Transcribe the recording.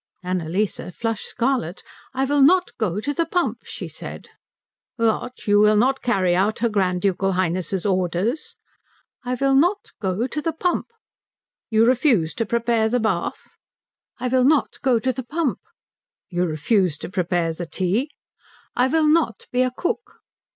Annalise flushed scarlet. "I will not go to the pump," she said. "What, you will not carry out her Grand Ducal Highness's orders?" "I will not go to the pump." "You refuse to prepare the bath?" "I will not go to the pump." "You refuse to prepare the tea?" "I will not be a cook."